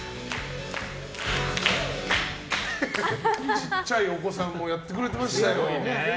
ちっちゃいお子さんもやってくれていましたよ。